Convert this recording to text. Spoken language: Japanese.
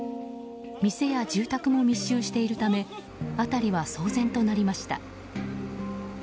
店や住宅も密集しているため辺りは騒然となりました。